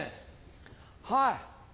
はい。